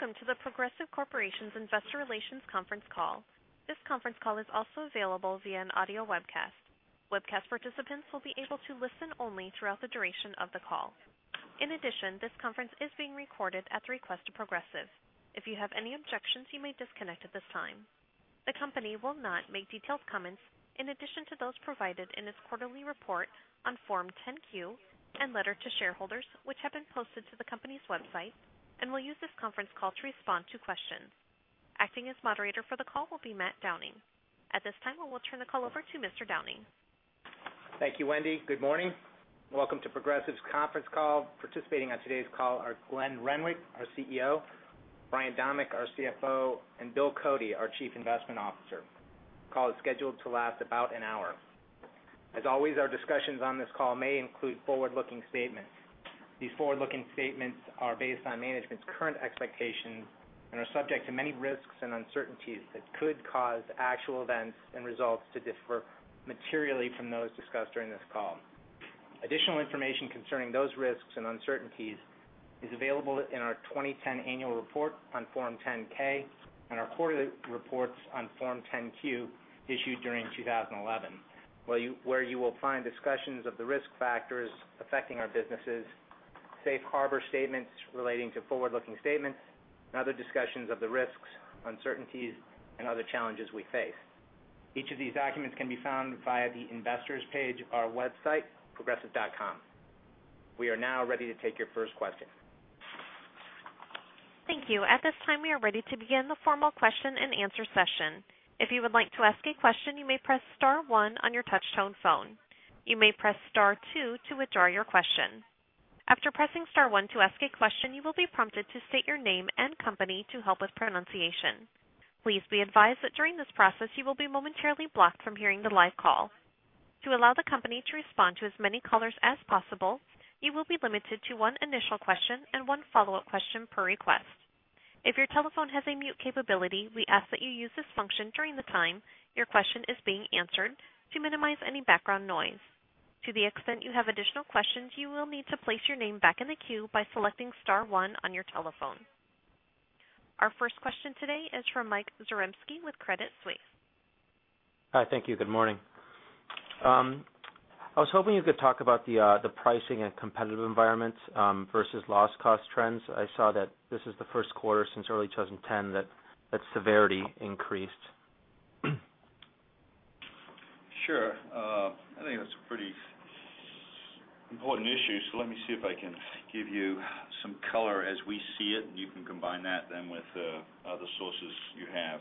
Welcome to The Progressive Corporation's Investor Relations conference call. This conference call is also available via an audio webcast. Webcast participants will be able to listen only throughout the duration of the call. In addition, this conference is being recorded at the request of Progressive. If you have any objections, you may disconnect at this time. The company will not make detailed comments in addition to those provided in its quarterly report on Form 10-Q and letter to shareholders, which have been posted to the company's website, will use this conference call to respond to questions. Acting as moderator for the call will be Matt Downing. At this time, I will turn the call over to Mr. Downing. Thank you, Wendy. Good morning. Welcome to Progressive's conference call. Participating on today's call are Glenn Renwick, our CEO, Brian Domeck, our CFO, and William Cody, our Chief Investment Officer. Call is scheduled to last about an hour. As always, our discussions on this call may include forward-looking statements. These forward-looking statements are based on management's current expectations and are subject to many risks and uncertainties that could cause actual events and results to differ materially from those discussed during this call. Additional information concerning those risks and uncertainties is available in our 2010 annual report on Form 10-K, and our quarterly reports on Form 10-Q issued during 2011, where you will find discussions of the risk factors affecting our businesses, safe harbor statements relating to forward-looking statements, and other discussions of the risks, uncertainties, and other challenges we face. Each of these documents can be found via the investors page of our website, progressive.com. We are now ready to take your first question. Thank you. At this time, we are ready to begin the formal question and answer session. If you would like to ask a question, you may press star one on your touch-tone phone. You may press star two to withdraw your question. After pressing star one to ask a question, you will be prompted to state your name and company to help with pronunciation. Please be advised that during this process, you will be momentarily blocked from hearing the live call. To allow the company to respond to as many callers as possible, you will be limited to one initial question and one follow-up question per request. If your telephone has a mute capability, we ask that you use this function during the time your question is being answered to minimize any background noise. To the extent you have additional questions, you will need to place your name back in the queue by selecting star one on your telephone. Our first question today is from Mike Zaremski with Credit Suisse. Hi. Thank you. Good morning. I was hoping you could talk about the pricing and competitive environments versus loss cost trends. I saw that this is the first quarter since early 2010 that severity increased. Sure. I think that's a pretty important issue, let me see if I can give you some color as we see it, you can combine that then with the other sources you have.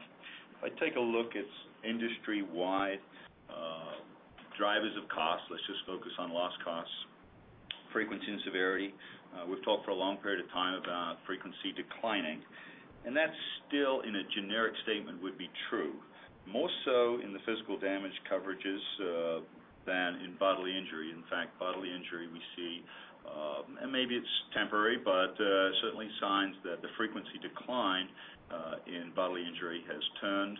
If I take a look at industry-wide drivers of cost, let's just focus on loss costs, frequency, and severity. We've talked for a long period of time about frequency declining, that still, in a generic statement, would be true, more so in the physical damage coverages than in bodily injury. In fact, bodily injury we see, and maybe it's temporary, but certainly signs that the frequency decline in bodily injury has turned,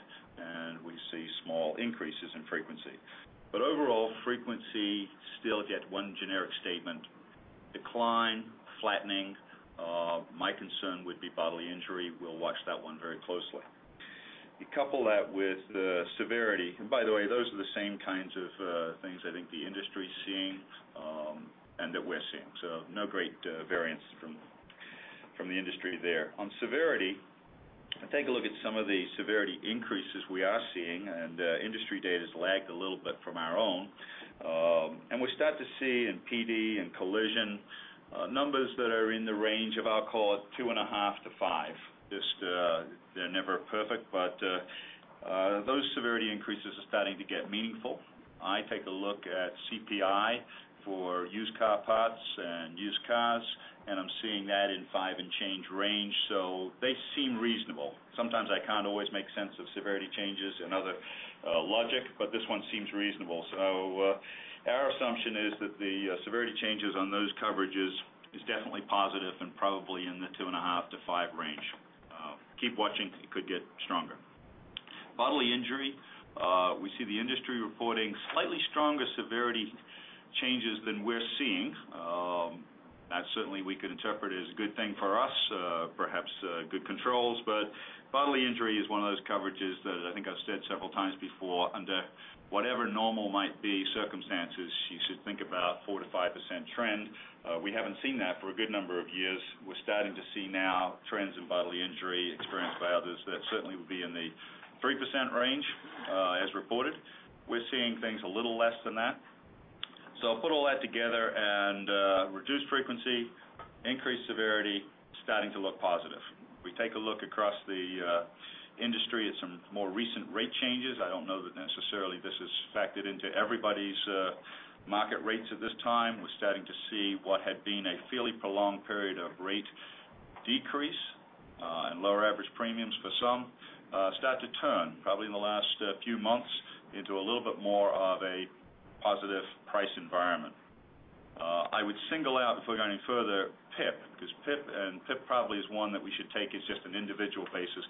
we see small increases in frequency. Overall, frequency still yet one generic statement, decline, flattening. My concern would be bodily injury. We'll watch that one very closely. You couple that with the severity. By the way, those are the same kinds of things I think the industry's seeing and that we're seeing. No great variance from the industry there. On severity, I take a look at some of the severity increases we are seeing, industry data's lagged a little bit from our own. We start to see in PD and collision numbers that are in the range of, I'll call it two and a half to five. They're never perfect, but those severity increases are starting to get meaningful. I take a look at CPI for used car parts and used cars, I'm seeing that in five and change range, they seem reasonable. Sometimes I can't always make sense of severity changes and other logic, this one seems reasonable. Our assumption is that the severity changes on those coverages is definitely positive and probably in the 2.5%-5% range. Keep watching. It could get stronger. Bodily injury, we see the industry reporting slightly stronger severity changes than we're seeing. That certainly we could interpret as a good thing for us, perhaps good controls. Bodily injury is one of those coverages that I think I've said several times before, under whatever normal might be circumstances, you should think about 4%-5% trend. We haven't seen that for a good number of years. We're starting to see now trends in Bodily injury experienced by others that certainly would be in the 3% range as reported. We're seeing things a little less than that. Put all that together and reduced frequency, increased severity, starting to look positive. We take a look across the industry at some more recent rate changes. I don't know that necessarily this has factored into everybody's market rates at this time. We're starting to see what had been a fairly prolonged period of rate decrease and lower average premiums for some start to turn, probably in the last few months, into a little bit more of a positive price environment. I would single out, before we go any further, PIP, because PIP probably is one that we should take as just an individual basis.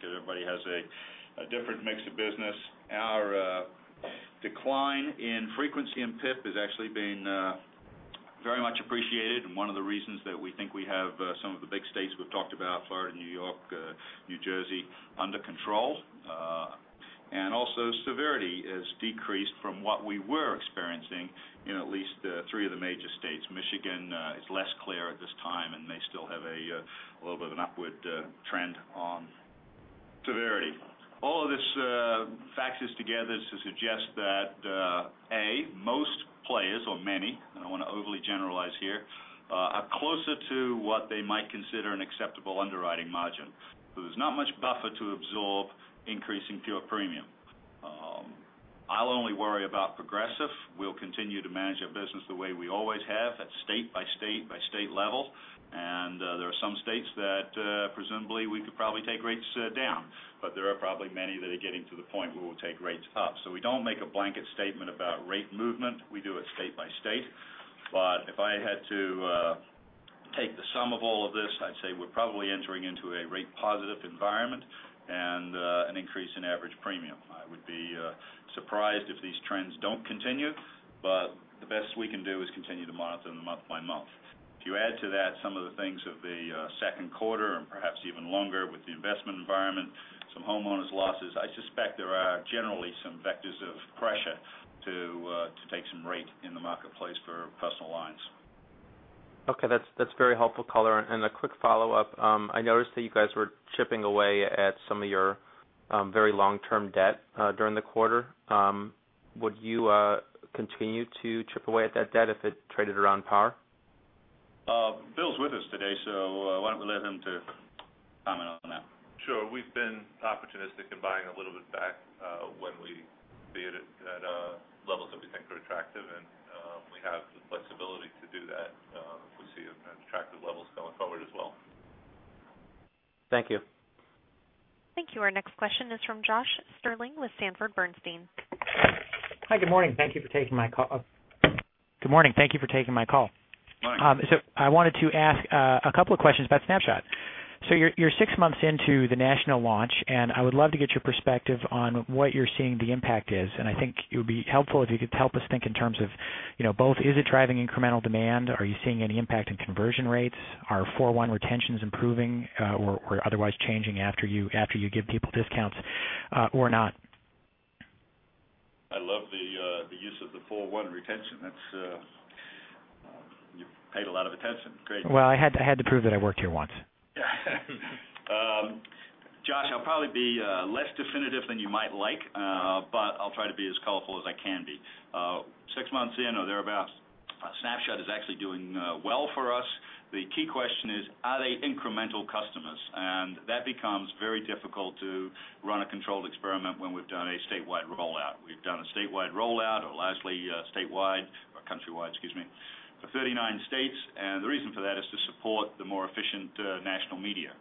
A different mix of business. Our decline in frequency in PIP has actually been very much appreciated, and one of the reasons that we think we have some of the big states we've talked about, Florida, New York, New Jersey, under control. Also severity has decreased from what we were experiencing in at least three of the major states. Michigan is less clear at this time and may still have a little bit of an upward trend on severity. All of these factors together suggest that A, most players or many, I don't want to overly generalize here, are closer to what they might consider an acceptable underwriting margin. There's not much buffer to absorb increasing pure premium. I'll only worry about Progressive. We'll continue to manage our business the way we always have at state by state by state level. There are some states that presumably we could probably take rates down, but there are probably many that are getting to the point where we'll take rates up. We don't make a blanket statement about rate movement. We do it state by state. If I had to take the sum of all of this, I'd say we're probably entering into a rate-positive environment and an increase in average premium. I would be surprised if these trends don't continue, but the best we can do is continue to monitor them month by month. If you add to that some of the things of the second quarter and perhaps even longer with the investment environment, some homeowners' losses, I suspect there are generally some vectors of pressure to take some rate in the marketplace for personal lines. Okay. That's very helpful color. A quick follow-up. I noticed that you guys were chipping away at some of your very long-term debt during the quarter. Would you continue to chip away at that debt if it traded around par? Bill's with us today. Why don't we let him comment on that? Sure. We've been opportunistic in buying a little bit back when we see it at levels that we think are attractive. We have the flexibility to do that if we see attractive levels going forward as well. Thank you. Thank you. Our next question is from Josh Stirling with Sanford C. Bernstein. Hi, good morning. Thank you for taking my call. Morning. I wanted to ask a couple of questions about Snapshot. You're six months into the national launch, and I would love to get your perspective on what you're seeing the impact is. I think it would be helpful if you could help us think in terms of both, is it driving incremental demand? Are you seeing any impact in conversion rates? Are 4-1 retentions improving or otherwise changing after you give people discounts or not? I love the use of the 4-1 retention. You've paid a lot of attention. Great. Well, I had to prove that I worked here once. Josh, I'll probably be less definitive than you might like, but I'll try to be as colorful as I can be. Six months in or thereabout, Snapshot is actually doing well for us. The key question is, are they incremental customers? That becomes very difficult to run a controlled experiment when we've done a statewide rollout. We've done a statewide rollout, or lastly statewide or countrywide, excuse me, for 39 states. The reason for that is to support the more efficient national media.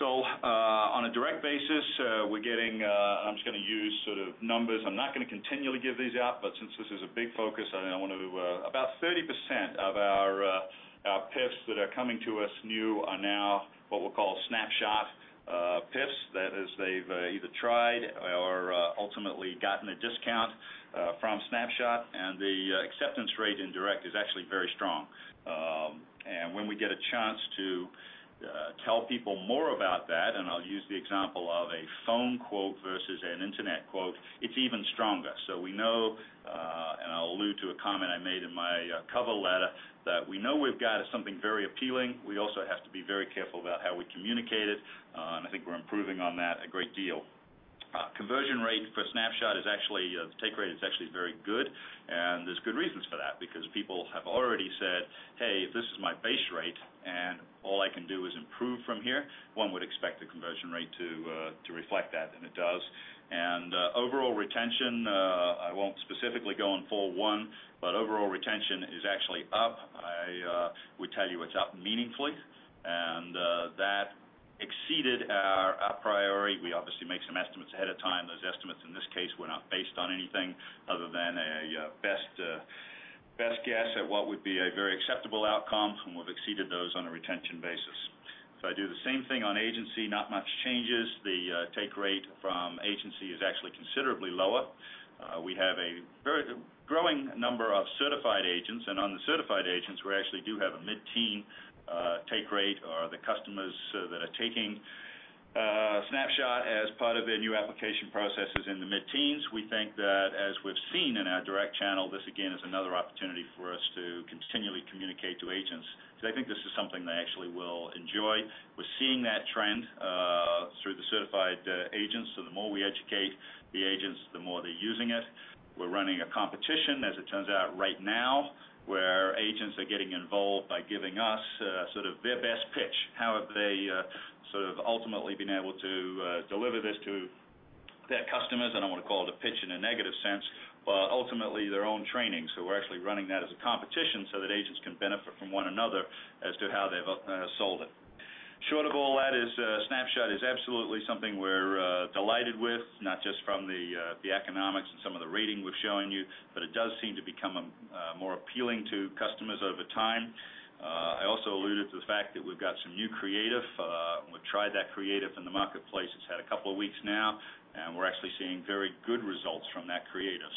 On a direct basis, we're getting, I'm just going to use sort of numbers. I'm not going to continually give these out, but since this is a big focus, I want to do about 30% of our PIFs that are coming to us new are now what we'll call Snapshot PIFs. That is, they've either tried or ultimately gotten a discount from Snapshot. The acceptance rate in direct is actually very strong. When we get a chance to tell people more about that, and I'll use the example of a phone quote versus an internet quote, it's even stronger. We know, and I'll allude to a comment I made in my cover letter, that we know we've got something very appealing. We also have to be very careful about how we communicate it, and I think we're improving on that a great deal. Conversion rate for Snapshot, the take rate is actually very good. There's good reasons for that because people have already said, "Hey, if this is my base rate and all I can do is improve from here," one would expect the conversion rate to reflect that, and it does. Overall retention, I won't specifically go on 4-1, but overall retention is actually up. I would tell you it's up meaningfully. That exceeded our priority. We obviously make some estimates ahead of time. Those estimates, in this case, were not based on anything other than a best guess at what would be a very acceptable outcome, and we've exceeded those on a retention basis. If I do the same thing on agency, not much changes. The take rate from agency is actually considerably lower. We have a growing number of certified agents, and on the certified agents, we actually do have a mid-teen take rate, or the customers that are taking Snapshot as part of their new application process is in the mid-teens. We think that as we've seen in our direct channel, this again is another opportunity for us to continually communicate to agents because I think this is something they actually will enjoy. We're seeing that trend through the certified agents. The more we educate the agents, the more they're using it. We're running a competition, as it turns out right now, where agents are getting involved by giving us sort of their best pitch. How have they sort of ultimately been able to deliver this to their customers? I don't want to call it a pitch in a negative sense, but ultimately their own training. We're actually running that as a competition so that agents can benefit from one another as to how they've sold it. Short of all that is Snapshot is absolutely something we're delighted with, not just from the economics and some of the rating we're showing you, but it does seem to become more appealing to customers over time. I also alluded to the fact that we've got some new creative. We've tried that creative in the marketplace. It's had a couple of weeks now. We're actually seeing very good results from that creative.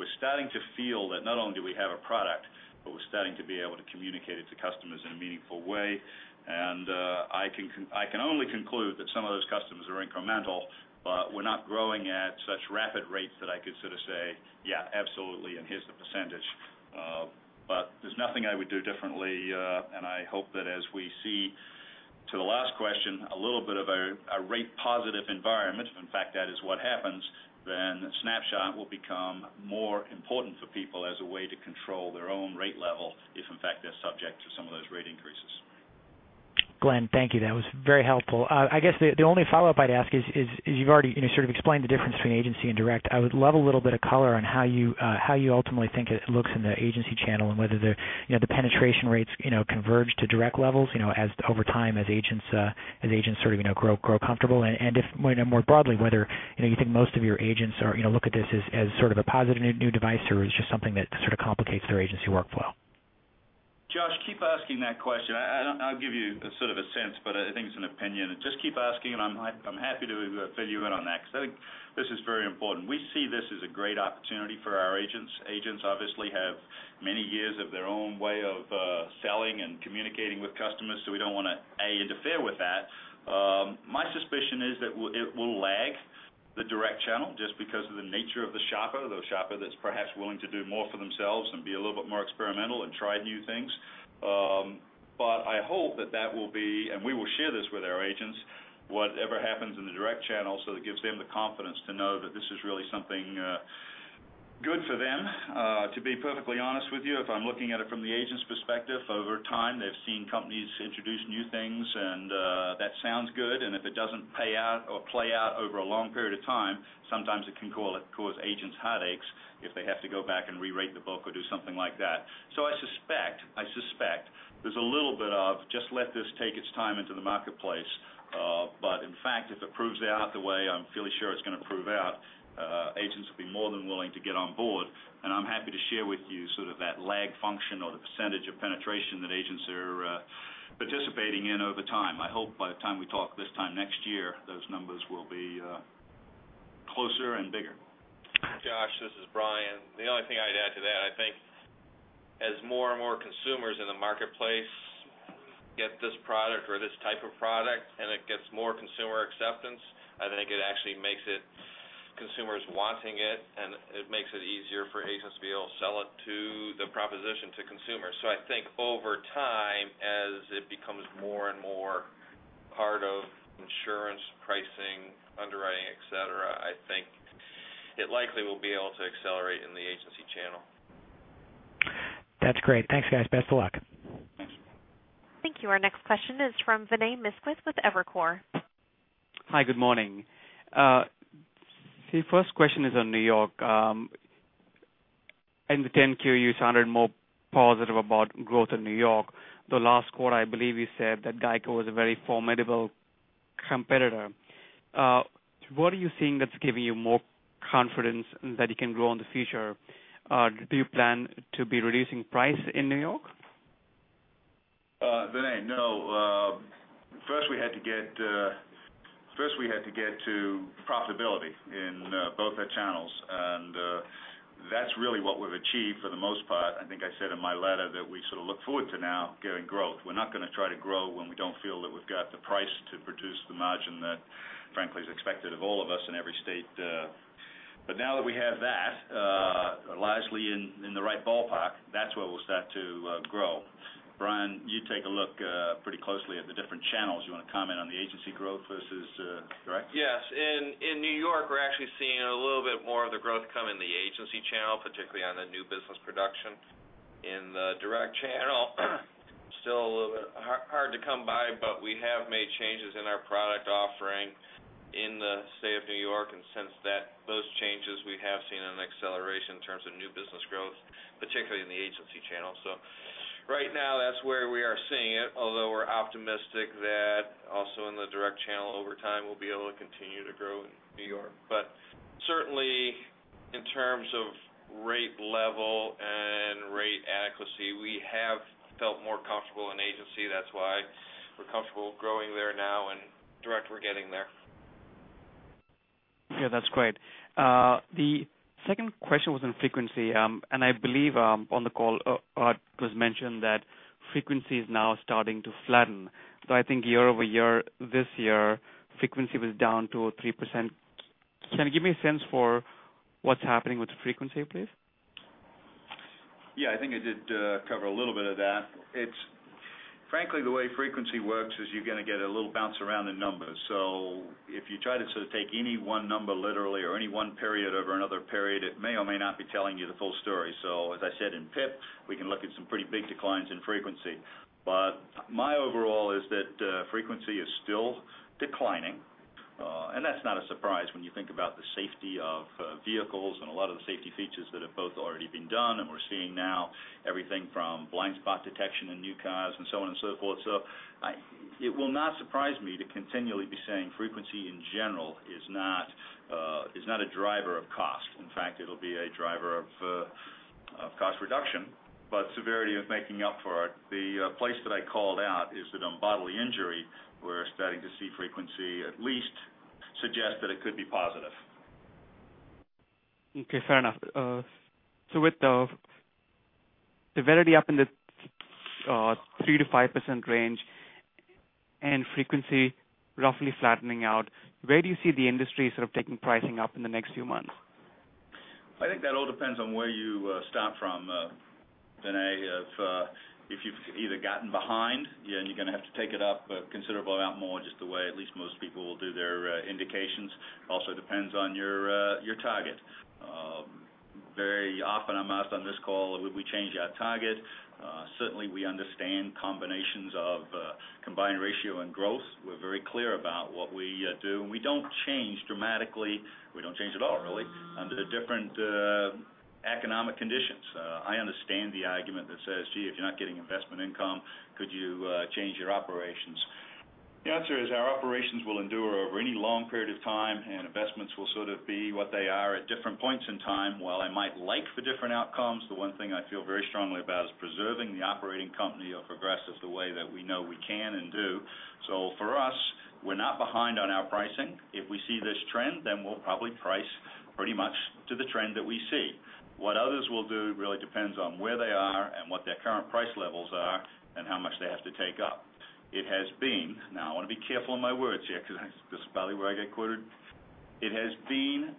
We're starting to feel that not only do we have a product, but we're starting to be able to communicate it to customers in a meaningful way. I can only conclude that some of those customers are incremental, we're not growing at such rapid rates that I could sort of say, "Yeah, absolutely, and here's the percentage." There's nothing I would do differently. I hope that as we see, to the last question, a little bit of a rate positive environment. If in fact that is what happens, then Snapshot will become more important for people as a way to control their own rate level, if in fact they're subject to some of those rate increases. Glenn, thank you. That was very helpful. I guess the only follow-up I'd ask is, you've already sort of explained the difference between agency and direct. I would love a little bit of color on how you ultimately think it looks in the agency channel and whether the penetration rates converge to direct levels over time as agents sort of grow comfortable. If more broadly, whether you think most of your agents look at this as sort of a positive new device or is just something that sort of complicates their agency workflow. Josh, keep asking that question. I'll give you sort of a sense, but I think it's an opinion. Just keep asking, and I'm happy to fill you in on that because I think this is very important. We see this as a great opportunity for our agents. Agents obviously have many years of their own way of selling and communicating with customers, so we don't want to, A, interfere with that. My suspicion is that it will lag the direct channel just because of the nature of the shopper, the shopper that's perhaps willing to do more for themselves and be a little bit more experimental and try new things. I hope that that will be, and we will share this with our agents, whatever happens in the direct channel, so it gives them the confidence to know that this is really something good for them. To be perfectly honest with you, if I'm looking at it from the agent's perspective, over time, they've seen companies introduce new things, and that sounds good, and if it doesn't pay out or play out over a long period of time, sometimes it can cause agents headaches if they have to go back and re-rate the book or do something like that. I suspect there's a little bit of just let this take its time into the marketplace. In fact, if it proves out the way I'm fairly sure it's going to prove out, agents will be more than willing to get on board. I'm happy to share with you sort of that lag function or the percentage of penetration that agents are participating in over time. I hope by the time we talk this time next year, those numbers will be closer and bigger. Josh, this is Brian. The only thing I'd add to that, I think as more and more consumers in the marketplace get this product or this type of product, and it gets more consumer acceptance, I think it actually makes it consumers wanting it, and it makes it easier for agents to be able to sell it to the proposition to consumers. I think over time, as it becomes more and more part of insurance pricing, underwriting, et cetera, I think it likely will be able to accelerate in the agency channel. That's great. Thanks, guys. Best of luck. Thank you. Our next question is from Vinay Misquith with Evercore. Hi, good morning. The first question is on New York. In the 10-Q, you sounded more positive about growth in New York. The last quarter, I believe you said that GEICO was a very formidable competitor. What are you seeing that's giving you more confidence that it can grow in the future? Do you plan to be reducing price in New York? Vinay, no. First, we had to get to profitability in both our channels. That's really what we've achieved for the most part. I think I said in my letter that we sort of look forward to now getting growth. We're not going to try to grow when we don't feel that we've got the price to produce the margin that frankly is expected of all of us in every state. Now that we have that largely in the right ballpark, that's where we'll start to grow. Brian, you take a look pretty closely at the different channels. You want to comment on the agency growth versus direct? Yes. In New York, we're actually seeing a little bit more of the growth come in the agency channel, particularly on the new business production. In the direct channel, still a little bit hard to come by, but we have made changes in our product offering in the state of New York. Since those changes, we have seen an acceleration in terms of new business growth, particularly in the agency channel. Right now, that's where we are seeing it, although we're optimistic that also in the direct channel over time, we'll be able to continue to grow in New York. Certainly, in terms of rate level and rate adequacy, we have felt more comfortable in agency. That's why we're comfortable growing there now. In direct, we're getting there. Yeah, that's great. The second question was on frequency. I believe on the call it was mentioned that frequency is now starting to flatten. I think year-over-year this year, frequency was down 2% or 3%. Can you give me a sense for what's happening with the frequency, please? Yeah, I think I did cover a little bit of that. Frankly, the way frequency works is you're going to get a little bounce around in numbers. If you try to sort of take any one number literally or any one period over another period, it may or may not be telling you the full story. As I said in PIP, we can look at some pretty big declines in frequency. My overall is that frequency is still declining. That's not a surprise when you think about the safety of vehicles and a lot of the safety features that have both already been done and we're seeing now everything from blind spot detection in new cars and so on and so forth. it will not surprise me to continually be saying frequency in general is not a driver of cost. In fact, it'll be a driver of cost reduction. Severity is making up for it. The place that I called out is that on bodily injury, we're starting to see frequency at least suggest that it could be positive. Okay, fair enough. With the severity up in the 3%-5% range and frequency roughly flattening out, where do you see the industry sort of taking pricing up in the next few months? I think that all depends on where you start from, Vinay. If you've either gotten behind, then you're going to have to take it up a considerable amount more, just the way at least most people will do their indications. Also depends on your target. Very often I'm asked on this call if we change our target. Certainly, we understand combinations of combined ratio and growth. We're very clear about what we do, and we don't change dramatically. We don't change at all, really, under the different economic conditions. I understand the argument that says, "Gee, if you're not getting investment income, could you change your operations?" The answer is our operations will endure over any long period of time, and investments will sort of be what they are at different points in time. While I might like the different outcomes, the one thing I feel very strongly about is preserving the operating company of Progressive the way that we know we can and do. For us, we're not behind on our pricing. If we see this trend, then we'll probably price pretty much to the trend that we see. What others will do really depends on where they are and what their current price levels are and how much they have to take up. It has been, now I want to be careful on my words here because this is probably where I get quoted. It has been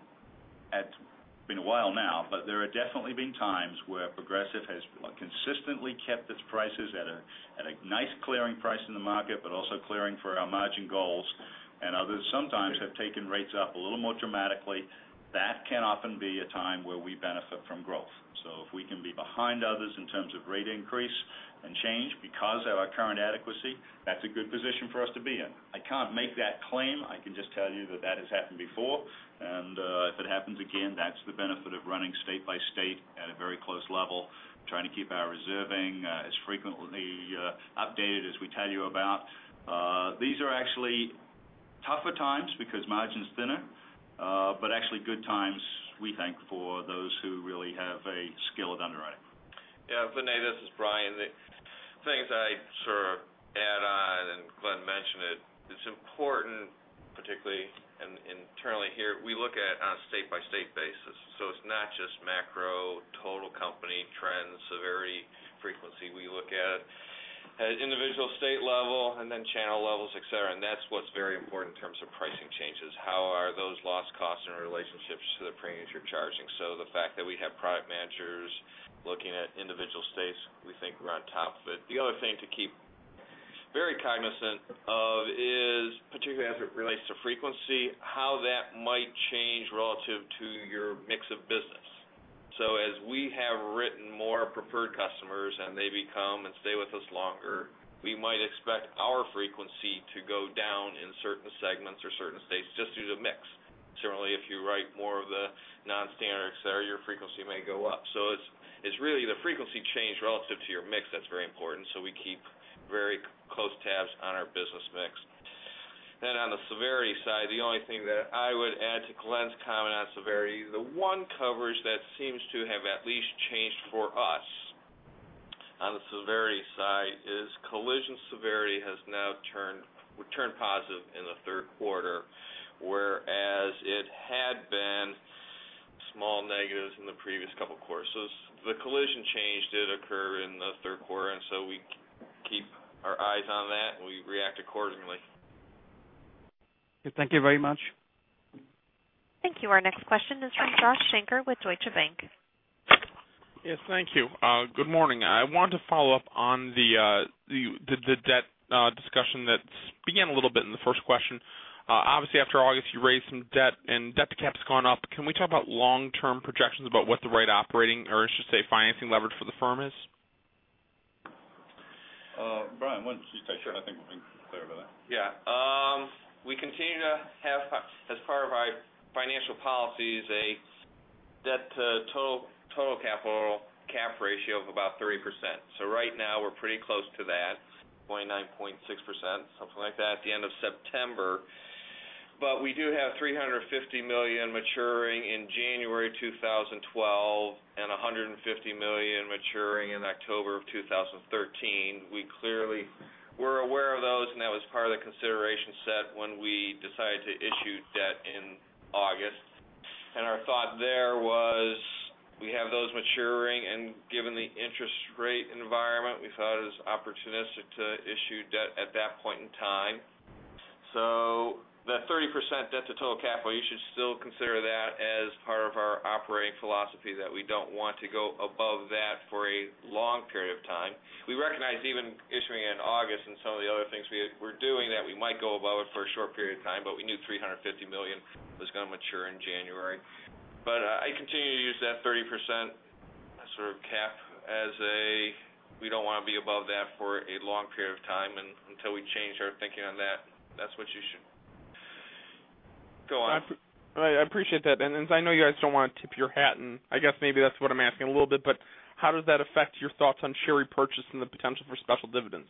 a while now, but there have definitely been times where Progressive has consistently kept its prices at a nice clearing price in the market, but also clearing for our margin goals. Others sometimes have taken rates up a little more dramatically. That can often be a time where we benefit from growth. If we can be behind others in terms of rate increase and change because of our current adequacy, that's a good position for us to be in. I can't make that claim. I can just tell you that has happened before, and if it happens again, that's the benefit of running state by state at a very close level, trying to keep our reserving as frequently updated as we tell you about. These are actually tougher times because margin's thinner. Actually good times, we think, for those who really have a skill at underwriting. Yeah, Vinay, this is Brian. The things I'd sort of add on, and Glenn mentioned it's important, particularly and internally here, we look at on a state-by-state basis. It's not just macro total company trends, severity, frequency. We look at individual state level and then channel levels, et cetera, and that's what's very important in terms of pricing changes. How are those loss costs in relationships to the premiums you're charging? The fact that we have product managers looking at individual states, we think we're on top of it. The other thing to keep very cognizant of is, particularly as it relates to frequency, how that might change relative to your mix of business. As we have written more preferred customers and they become and stay with us longer, we might expect our frequency to go down in certain segments or certain states just due to mix. Certainly, if you write more of the non-standard, et cetera, your frequency may go up. It's really the frequency change relative to your mix that's very important. We keep very close tabs on our business mix. On the severity side, the only thing that I would add to Glenn's comment on severity, the one coverage that seems to have at least changed for us on the severity side is collision severity would turn positive in the third quarter, whereas it had been small negatives in the previous couple of quarters. The collision change did occur in the third quarter, and we react accordingly. Thank you very much. Thank you. Our next question is from Joshua Shanker with Deutsche Bank. Yes, thank you. Good morning. I wanted to follow up on the debt discussion that began a little bit in the first question. Obviously, after August you raised some debt and debt to cap's gone up. Can we talk about long-term projections about what the right operating, or I should say financing leverage for the firm is? Brian, why don't you take that? I think we're clear about that. Yeah. We continue to have, as part of our financial policies, a debt to total capital cap ratio of about 30%. Right now we're pretty close to that, 29.6%, something like that at the end of September. We do have $350 million maturing in January 2012 and $150 million maturing in October of 2013. We clearly were aware of those, and that was part of the consideration set when we decided to issue debt in August. Our thought there was we have those maturing, and given the interest rate environment, we thought it was opportunistic to issue debt at that point in time. That 30% debt to total capital, you should still consider that as part of our operating philosophy that we don't want to go above that for a long period of time. We recognize even issuing it in August and some of the other things we're doing that we might go above it for a short period of time. We knew $350 million was going to mature in January. I continue to use that 30% sort of cap as a, we don't want to be above that for a long period of time until we change our thinking on that. That's what you should- I appreciate that. I know you guys don't want to tip your hat, and I guess maybe that's what I'm asking a little bit, but how does that affect your thoughts on share repurchase and the potential for special dividends?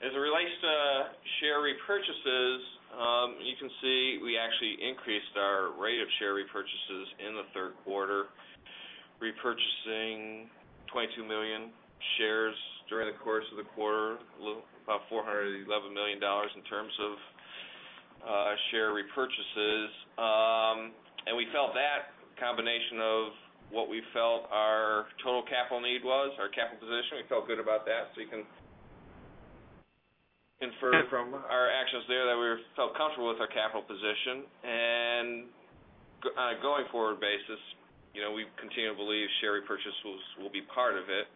As it relates to share repurchases, you can see we actually increased our rate of share repurchases in the third quarter, repurchasing 22 million shares during the course of the quarter, about $411 million in terms of share repurchases. We felt that combination of what we felt our total capital need was, our capital position, we felt good about that. You can infer from our actions there that we felt comfortable with our capital position. On a going-forward basis, we continue to believe share repurchases will be part of it.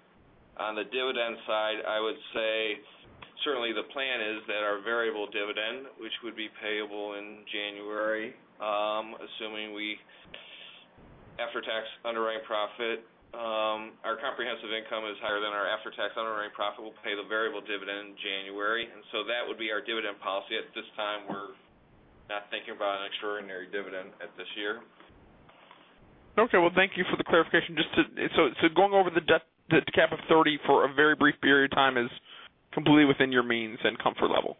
On the dividend side, I would say certainly the plan is that our variable dividend, which would be payable in January, assuming our comprehensive income is higher than our after-tax underwriting profit, we'll pay the variable dividend in January. That would be our dividend policy. At this time, we're not thinking about an extraordinary dividend at this year. Okay. Well, thank you for the clarification. Going over the debt to cap of 30 for a very brief period of time is completely within your means and comfort level.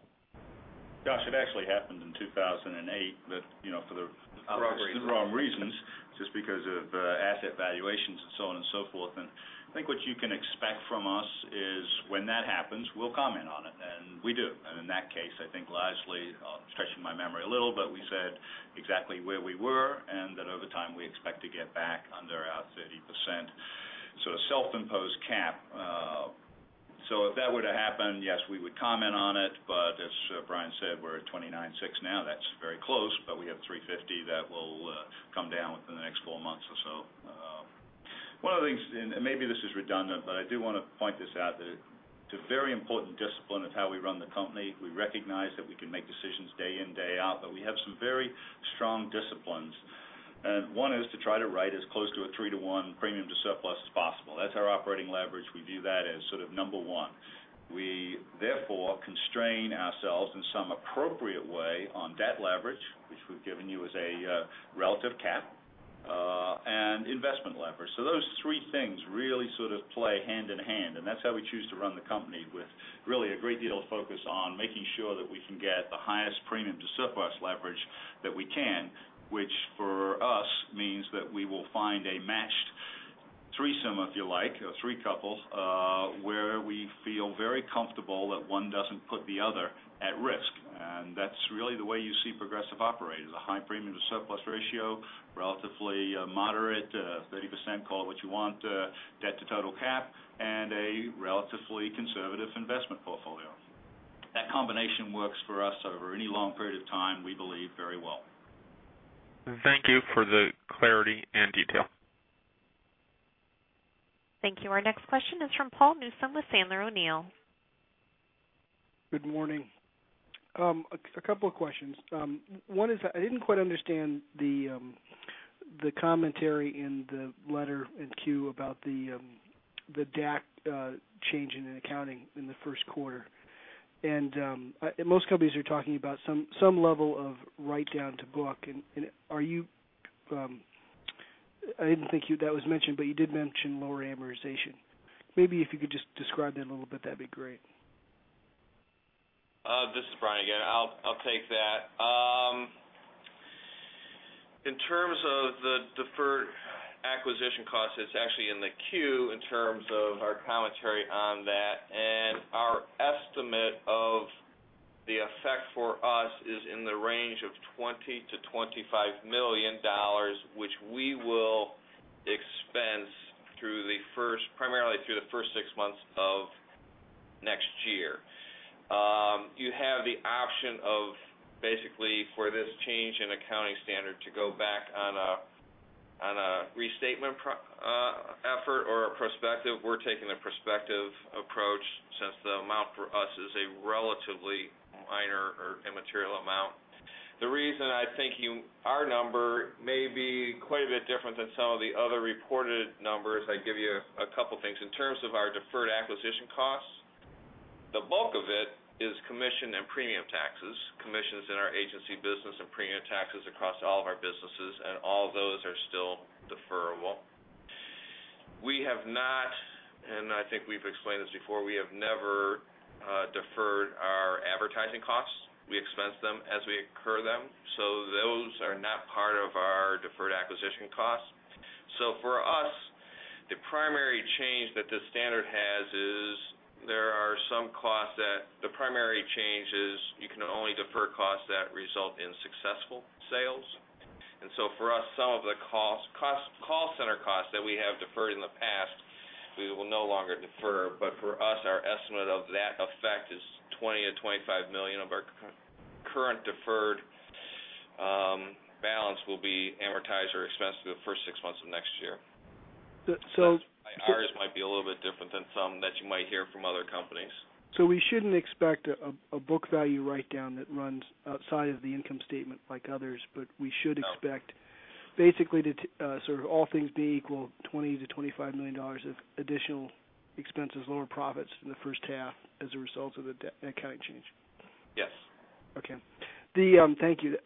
Josh, it actually happened in 2008, but for the wrong reasons, just because of asset valuations and so on and so forth. I think what you can expect from us is when that happens, we'll comment on it, and we do. In that case, I think largely, I'm stretching my memory a little, but we said exactly where we were and that over time we expect to get back under our 30% self-imposed cap. If that were to happen, yes, we would comment on it, but as Brian said, we're at 29.6 now. That's very close, but we have $350 that will come down within the next four months or so. One of the things, and maybe this is redundant, but I do want to point this out, that it's a very important discipline of how we run the company. We recognize that we can make decisions day in, day out, but we have some very strong disciplines. One is to try to write as close to a three-to-one premium to surplus as possible. That's our operating leverage. We view that as sort of number one. We therefore constrain ourselves in some appropriate way on debt leverage, which we've given you as a relative cap, and investment leverage. Those three things really sort of play hand in hand, and that's how we choose to run the company with really a great deal of focus on making sure that we can get the highest premium to surplus leverage that we can, which for us means that we will find a matched threesome, if you like, three couples where we feel very comfortable that one doesn't put the other at risk. That's really the way you see Progressive operate is a high premium to surplus ratio, relatively moderate, 30%, call it what you want, debt to total cap, and a relatively conservative investment portfolio. That combination works for us over any long period of time, we believe, very well. Thank you for the clarity and detail. Thank you. Our next question is from Paul Newsome with Sandler O'Neill. Good morning. A couple of questions. One is I didn't quite understand the commentary in the letter in Q about the DAC change in accounting in the first quarter. Most companies are talking about some level of write-down to book. I didn't think that was mentioned, but you did mention lower amortization. Maybe if you could just describe that a little bit, that'd be great. This is Brian again. I'll take that. In terms of the deferred acquisition cost, it's actually in the Q in terms of our commentary on that. Our estimate of the effect for us is in the range of $20 million-$25 million, which we will expense primarily through the first six months of next year. You have the option of basically for this change in accounting standard to go back on a restatement effort or a prospective. We're taking a prospective approach since the amount for us is a relatively minor or immaterial amount. The reason I think our number may be quite a bit different than some of the other reported numbers, I give you a couple things. In terms of our deferred acquisition costs, the bulk of it is commission and premium taxes, commissions in our agency business and premium taxes across all of our businesses, and all those are still deferrable. We have not, and I think we've explained this before, we have never deferred our advertising costs. We expense them as we incur them. Those are not part of our deferred acquisition costs. For us, the primary change that this standard has is you can only defer costs that result in successful sales. For us, some of the call center costs that we have deferred in the past, we will no longer defer. For us, our estimate of that effect is $20 million-$25 million of our current deferred balance will be amortized or expensed through the first six months of next year. So- Ours might be a little bit different than some that you might hear from other companies. We shouldn't expect a book value write-down that runs outside of the income statement like others, but we should expect Basically, sort of all things being equal, $20 million-$25 million of additional expenses, lower profits in the first half as a result of the accounting change? Yes. Okay. Thank you.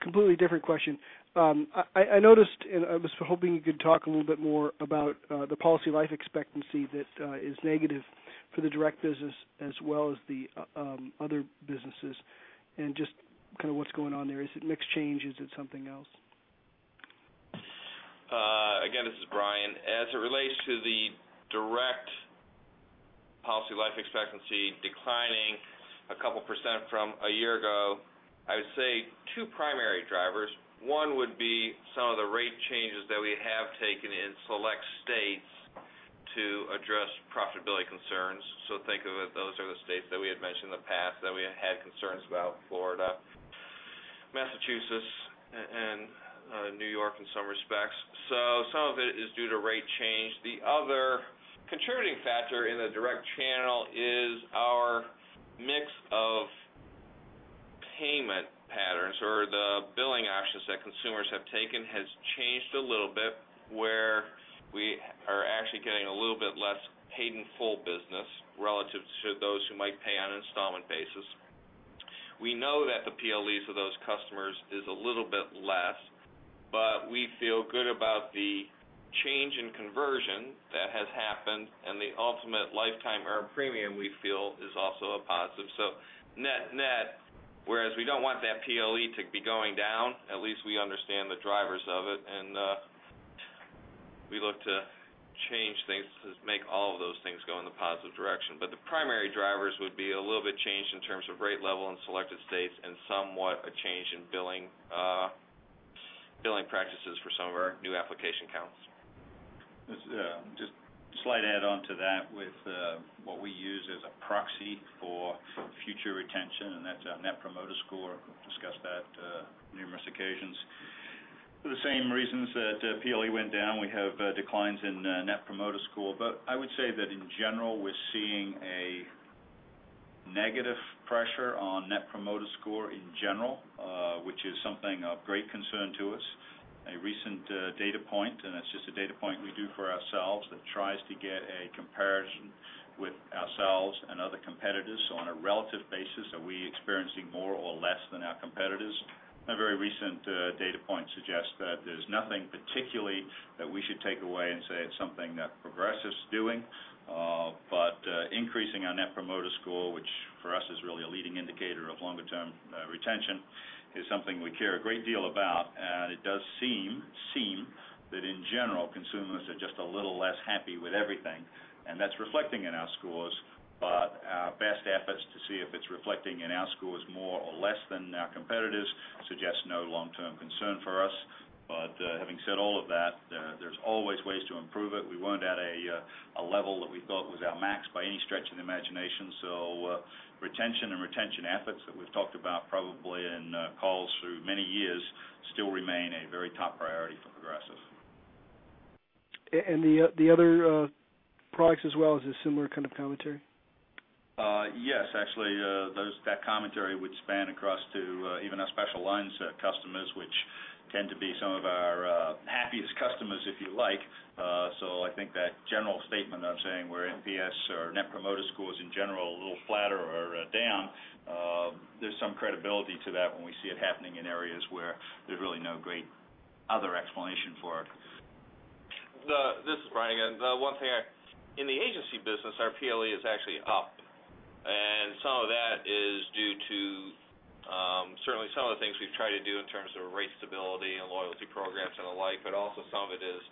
Completely different question. I noticed, and I was hoping you could talk a little bit more about the policy life expectancy that is negative for the direct business as well as the other businesses, and just kind of what's going on there. Is it mix change? Is it something else? Again, this is Brian. As it relates to the direct policy life expectancy declining a couple % from a year ago, I would say two primary drivers. One would be some of the rate changes that we have taken in select states to address profitability concerns. Think of it, those are the states that we had mentioned in the past that we had concerns about Florida, Massachusetts, and New York in some respects. Some of it is due to rate change. The other contributing factor in the direct channel is our mix of payment patterns or the billing actions that consumers have taken has changed a little bit, where we are actually getting a little bit less paid in full business relative to those who might pay on an installment basis. We know that the PLEs of those customers is a little bit less, we feel good about the change in conversion that has happened, and the ultimate lifetime earned premium, we feel, is also a positive. Net-net, whereas we don't want that PLE to be going down, at least we understand the drivers of it, and we look to change things to make all of those things go in the positive direction. The primary drivers would be a little bit changed in terms of rate level in selected states and somewhat a change in billing practices for some of our new application counts. Just a slight add-on to that with what we use as a proxy for future retention, and that's our Net Promoter Score. Discussed that on numerous occasions. For the same reasons that PLE went down, we have declines in Net Promoter Score. I would say that in general, we're seeing a negative pressure on Net Promoter Score in general, which is something of great concern to us. A recent data point, and it's just a data point we do for ourselves that tries to get a comparison with ourselves and other competitors on a relative basis. Are we experiencing more or less than our competitors? A very recent data point suggests that there's nothing particularly that we should take away and say it's something that Progressive's doing. Increasing our Net Promoter Score, which for us is really a leading indicator of longer-term retention, is something we care a great deal about. It does seem that in general, consumers are just a little less happy with everything, and that's reflecting in our scores. Our best efforts to see if it's reflecting in our scores more or less than our competitors suggests no long-term concern for us. Having said all of that, there's always ways to improve it. We weren't at a level that we felt was our max by any stretch of the imagination. Retention and retention efforts that we've talked about probably in calls through many years still remain a very top priority for Progressive. The other products as well is a similar kind of commentary? Yes, actually, that commentary would span across to even our special lines set customers, which tend to be some of our happiest customers, if you like. I think that general statement of saying we're NPS or Net Promoter Scores in general a little flatter or down, there's some credibility to that when we see it happening in areas where there's really no great other explanation for it. This is Brian again. The one thing in the agency business, our PLE is actually up, and some of that is due to certainly some of the things we've tried to do in terms of rate stability and loyalty programs and the like, but also some of it is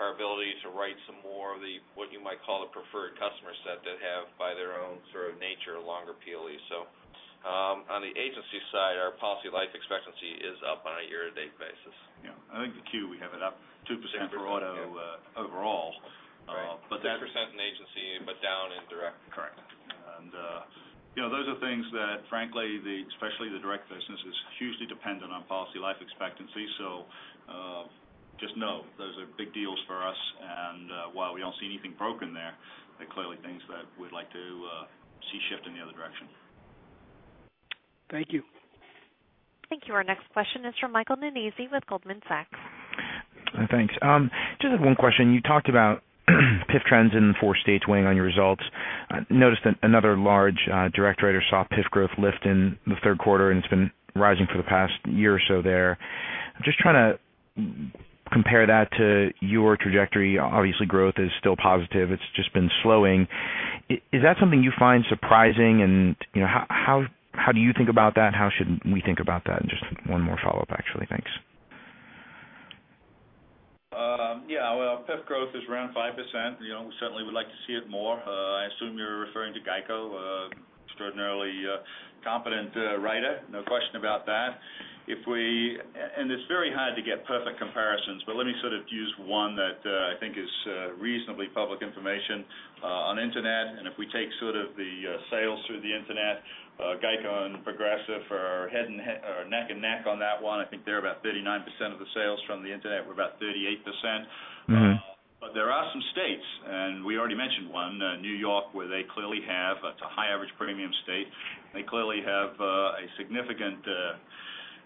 our ability to write some more of the, what you might call the preferred customer set that have, by their own sort of nature, longer PLEs. On the agency side, our policy life expectancy is up on a year-to-date basis. Yeah, I think the Q, we have it up 2% for auto overall. Right. 2% in agency, but down in direct. Correct. Those are things that frankly, especially the direct business, is hugely dependent on policy life expectancy. Just know those are big deals for us, and while we don't see anything broken there, they're clearly things that we'd like to see shift in the other direction. Thank you. Thank you. Our next question is from Michael Nannizzi with Goldman Sachs. Thanks. Just have one question. You talked about PIF trends in four states weighing on your results. I noticed that another large direct writer saw PIF growth lift in the third quarter, and it's been rising for the past year or so there. I'm just trying to compare that to your trajectory. Obviously, growth is still positive. It's just been slowing. Is that something you find surprising, and how do you think about that? How should we think about that? Just one more follow-up, actually. Thanks. Yeah. PIF growth is around 5%. We certainly would like to see it more. I assume you're referring to GEICO, extraordinarily competent writer. No question about that. It's very hard to get perfect comparisons, but let me sort of use one that I think is reasonably public information on internet. If we take sort of the sales through the internet, GEICO and Progressive are neck and neck on that one. I think they're about 39% of the sales from the internet. We're about 38%. We already mentioned one, N.Y., where it's a high average premium state. They clearly have a significant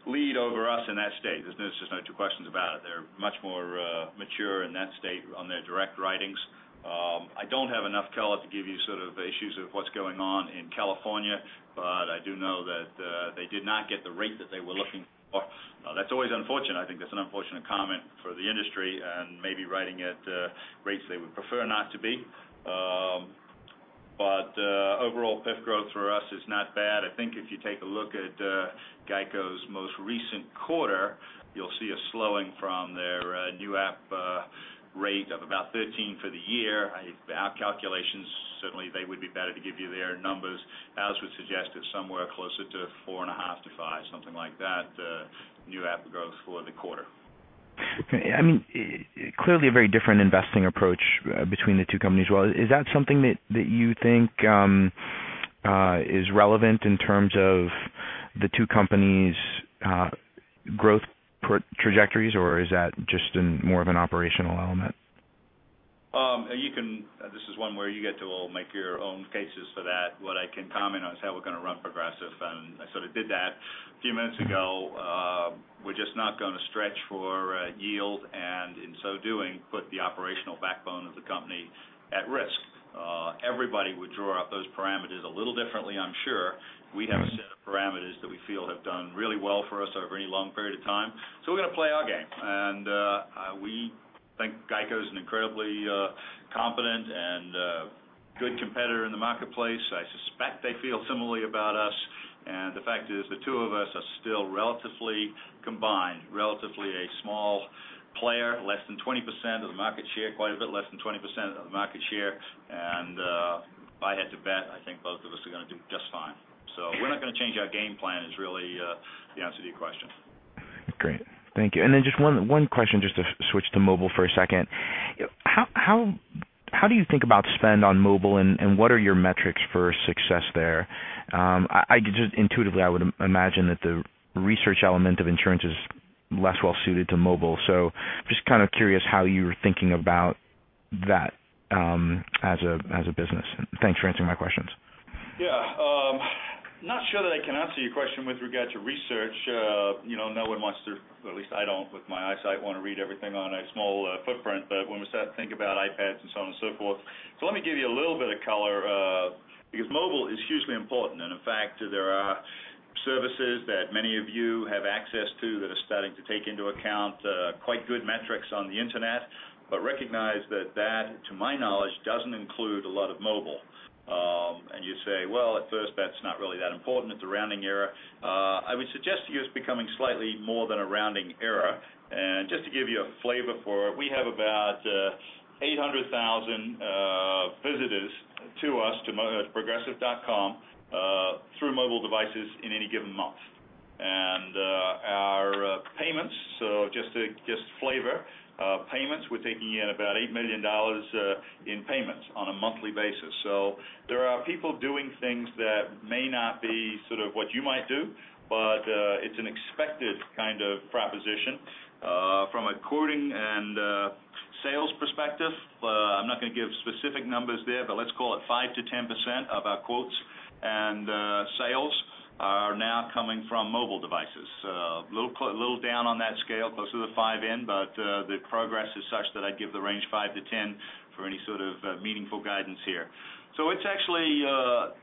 lead over us in that state. There's just no two questions about it. They're much more mature in that state on their direct writings. I don't have enough color to give you sort of issues of what's going on in California, but I do know that they did not get the rate that they were looking for. That's always unfortunate. I think that's an unfortunate comment for the industry, and may be writing at rates they would prefer not to be. Overall, PIF growth for us is not bad. I think if you take a look at GEICO's most recent quarter, you'll see a slowing from their new app rate of about 13 for the year. Our calculations, certainly they would be better to give you their numbers, ours would suggest it's somewhere closer to four and a half to five, something like that, new app growth for the quarter. Okay. Clearly a very different investing approach between the two companies. Is that something that you think is relevant in terms of the two companies' growth trajectories, or is that just more of an operational element? This is one where you get to all make your own cases for that. What I can comment on is how we're going to run Progressive, I sort of did that a few minutes ago. We're just not going to stretch for yield, in so doing, put the operational backbone of the company at risk. Everybody would draw up those parameters a little differently, I'm sure. We have a set of parameters that we feel have done really well for us over any long period of time. We're going to play our game. We think GEICO is an incredibly competent and good competitor in the marketplace. I suspect they feel similarly about us. The fact is, the two of us are still relatively combined, relatively a small player, less than 20% of the market share, quite a bit less than 20% of the market share. If I had to bet, I think both of us are going to do just fine. We're not going to change our game plan is really the answer to your question. Great. Thank you. Just one question just to switch to mobile for a second. How do you think about spend on mobile, and what are your metrics for success there? Intuitively, I would imagine that the research element of insurance is less well suited to mobile. Just kind of curious how you were thinking about that as a business. Thanks for answering my questions. Yeah. Not sure that I can answer your question with regard to research. No one wants to, at least I don't with my eyesight, want to read everything on a small footprint, but when we start to think about iPads and so on and so forth. Let me give you a little bit of color, because mobile is hugely important. In fact, there are services that many of you have access to that are starting to take into account quite good metrics on the internet. Recognize that that, to my knowledge, doesn't include a lot of mobile. You say, well, at first that's not really that important. It's a rounding error. I would suggest to you it's becoming slightly more than a rounding error. Just to give you a flavor for it, we have about 800,000 visitors to us, to progressive.com, through mobile devices in any given month. Our payments, so just flavor, payments, we're taking in about $8 million in payments on a monthly basis. There are people doing things that may not be sort of what you might do, but it's an expected kind of proposition. From a quoting and sales perspective, I'm not going to give specific numbers there, but let's call it 5%-10% of our quotes and sales are now coming from mobile devices. A little down on that scale, closer to the five end, but the progress is such that I'd give the range 5%-10% for any sort of meaningful guidance here. It's actually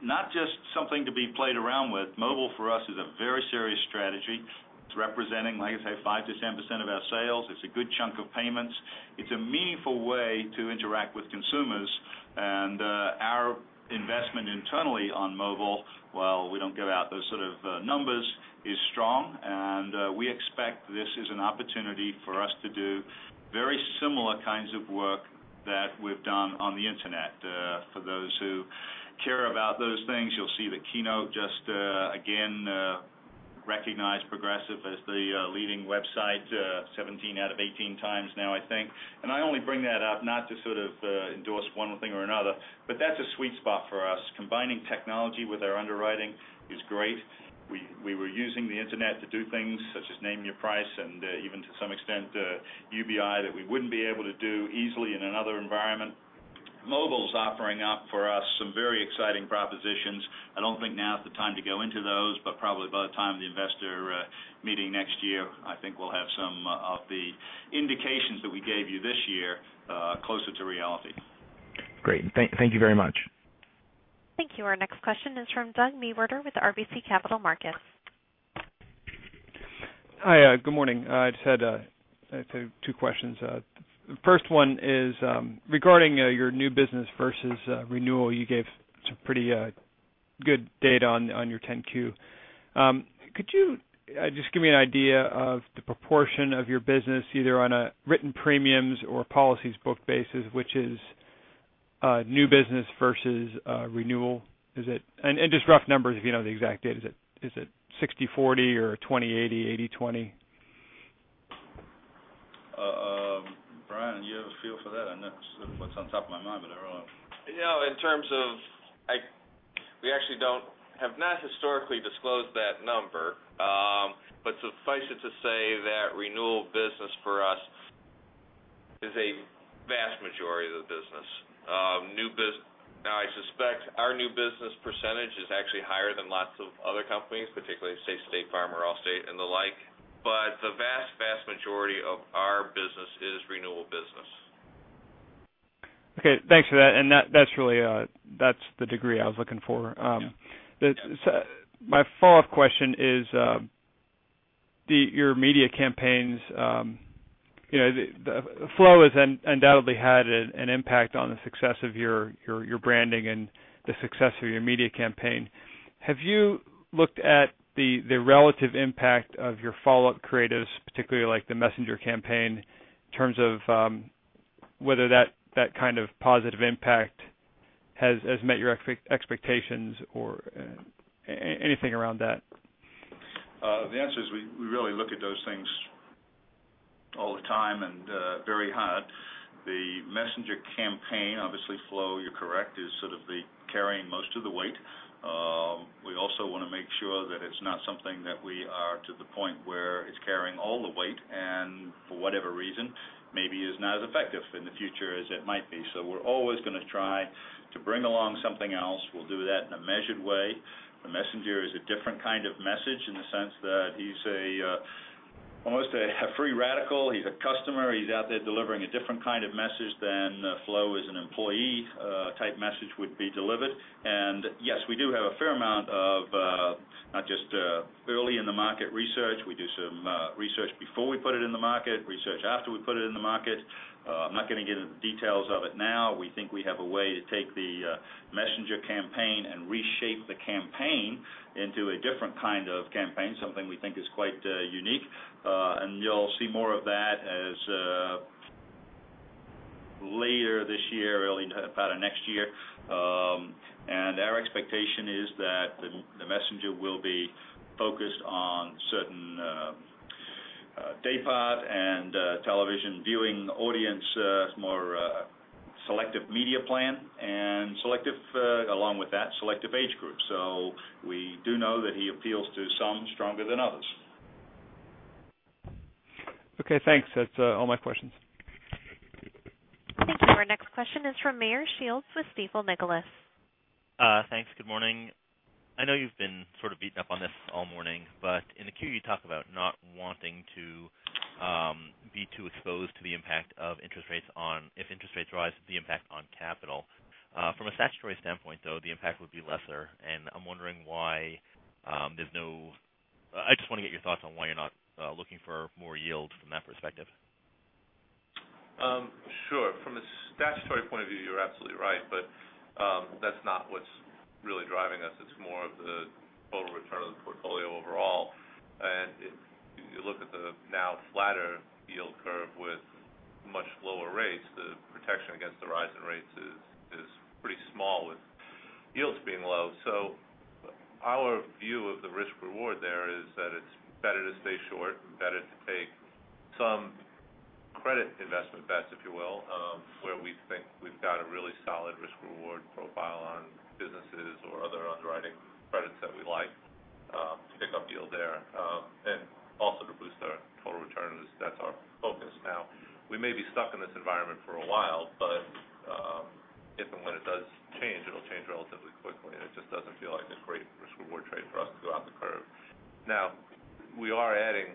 not just something to be played around with. Mobile for us is a very serious strategy. It's representing, like I say, 5%-10% of our sales. It's a good chunk of payments. It's a meaningful way to interact with consumers. Our investment internally on mobile, while we don't give out those sort of numbers, is strong. We expect this is an opportunity for us to do very similar kinds of work that we've done on the internet. For those who care about those things, you'll see the Keynote just, again, recognize Progressive as the leading website 17 out of 18 times now, I think. I only bring that up not to sort of endorse one thing or another. That's a sweet spot for us. Combining technology with our underwriting is great. We were using the internet to do things such as Name Your Price, and even to some extent, UBI that we wouldn't be able to do easily in another environment. Mobile's offering up for us some very exciting propositions. I don't think now is the time to go into those, but probably by the time of the investor meeting next year, I think we'll have some of the indications that we gave you this year closer to reality. Great. Thank you very much. Thank you. Our next question is from Doug Mewhirter with RBC Capital Markets. Hi. Good morning. I just had two questions. First one is regarding your new business versus renewal. You gave some pretty good data on your Form 10-Q. Could you just give me an idea of the proportion of your business, either on a written premiums or policies booked basis, which is new business versus renewal? Just rough numbers, if you know the exact data. Is it 60-40 or 20-80, 80-20? Brian, do you have a feel for that? I know that's what's on top of my mind, but I don't know. Have not historically disclosed that number. Suffice it to say that renewal business for us is a vast majority of the business. I suspect our new business percentage is actually higher than lots of other companies, particularly say State Farm or Allstate and the like. The vast majority of our business is renewal business. Okay, thanks for that. That's the degree I was looking for. Yeah. My follow-up question is, your media campaigns, Flo has undoubtedly had an impact on the success of your branding and the success of your media campaign. Have you looked at the relative impact of your follow-up creatives, particularly like the messenger campaign, in terms of whether that kind of positive impact has met your expectations or anything around that? The answer is we really look at those things all the time and very hard. The messenger campaign, obviously, Flo, you're correct, is sort of carrying most of the weight. We also want to make sure that it's not something that we are to the point where it's carrying all the weight and for whatever reason, maybe is not as effective in the future as it might be. We're always going to try to bring along something else. We'll do that in a measured way. The messenger is a different kind of message in the sense that he's almost a free radical. He's a customer. He's out there delivering a different kind of message than Flo as an employee type message would be delivered. Yes, we do have a fair amount of not just early in the market research. We do some research before we put it in the market, research after we put it in the market. I'm not going to get into the details of it now. We think we have a way to take the messenger campaign and reshape the campaign into a different kind of campaign, something we think is quite unique. You'll see more of that as later this year, early next year. Our expectation is that the messenger will be focused on certain daypart and television viewing audience, more selective media plan and along with that selective age group. We do know that he appeals to some stronger than others. Okay, thanks. That's all my questions. Thank you. Our next question is from Meyer Shields with Stifel, Nicolaus. Thanks. Good morning. I know you've been sort of beaten up on this all morning. In the Form 10-Q you talk about not wanting to be too exposed to the impact of interest rates on, if interest rates rise, the impact on capital. From a statutory standpoint, though, the impact would be lesser. I just want to get your thoughts on why you're not looking for more yield from that perspective. Sure. From a statutory point of view, you're absolutely right. That's not what's really driving us. It's more of the total return of the portfolio overall. If you look at the now flatter yield curve with much lower rates, the protection against the rise in rates is pretty small with yields being low. Our view of the risk/reward there is that it's better to stay short and better to take some credit investment bets, if you will, where we think we've got a really solid risk/reward profile on businesses or other underwriting credits that we like to pick up yield there, and also to boost our total returns. That's our focus now. We may be stuck in this environment for a while, but if and when it does change, it'll change relatively quickly, and it just doesn't feel like a great risk/reward trade for us to go out the curve. Now, we are adding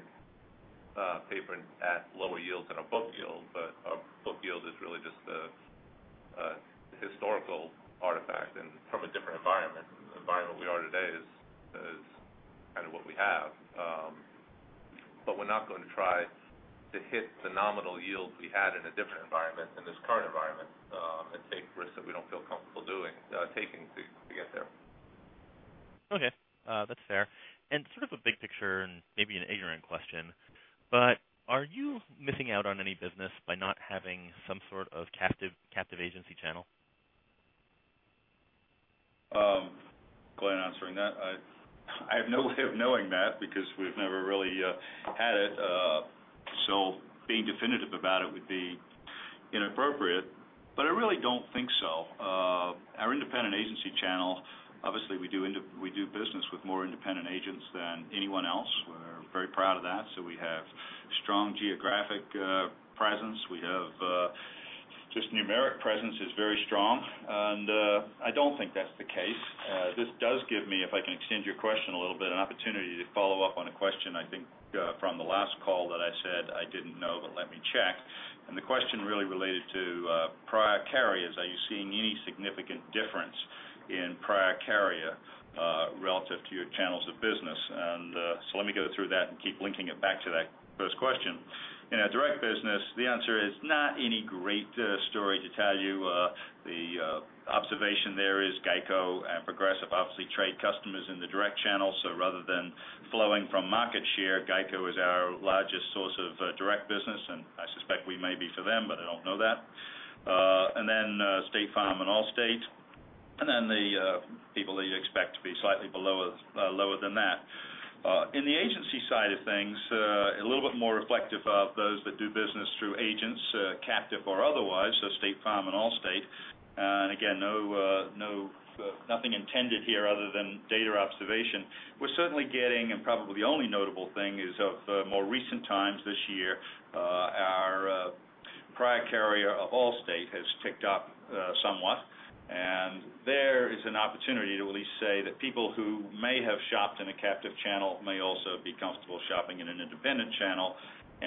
paper at lower yields than our book yield, but our book yield is really just a historical artifact and from a different environment. The environment we are today is kind of what we have. We're not going to try to hit the nominal yields we had in a different environment, in this current environment, and take risks that we don't feel comfortable taking to get there. Okay. That's fair. Sort of a big picture and maybe an ignorant question, but are you missing out on any business by not having some sort of captive agency channel? Glenn answering that. I have no way of knowing that because we've never really had it. Being definitive about it would be inappropriate, but I really don't think so. Our independent agency channel, obviously, we do business with more independent agents than anyone else. We're very proud of that. We have strong geographic presence. We have just numeric presence is very strong, and I don't think that's the case. This does give me, if I can extend your question a little bit, an opportunity to follow up on a question, I think, from the last call that I said I didn't know, but let me check. The question really related to prior carriers. Are you seeing any significant difference in prior carrier, relative to your channels of business? Let me go through that and keep linking it back to that first question. In our direct business, the answer is not any great story to tell you. The observation there is GEICO and Progressive obviously trade customers in the direct channel. Rather than flowing from market share, GEICO is our largest source of direct business, and I suspect we may be for them, but I don't know that. Then State Farm and Allstate, and then the people that you expect to be slightly below things a little bit more reflective of those that do business through agents, captive or otherwise, so State Farm and Allstate. Again, nothing intended here other than data observation. We're certainly getting, and probably the only notable thing is of more recent times this year, our prior carrier of Allstate has ticked up somewhat, and there is an opportunity to at least say that people who may have shopped in a captive channel may also be comfortable shopping in an independent channel.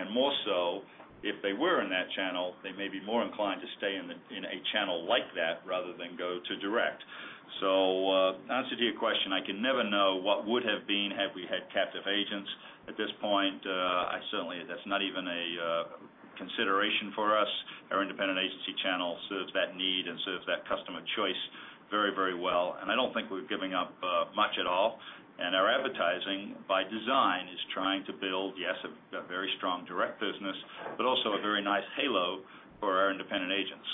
More so, if they were in that channel, they may be more inclined to stay in a channel like that rather than go to direct. Answer to your question, I can never know what would have been had we had captive agents. At this point, certainly that's not even a consideration for us. Our independent agency channel serves that need and serves that customer choice very well. I don't think we're giving up much at all. Our advertising, by design, is trying to build, yes, a very strong direct business, but also a very nice halo for our independent agents.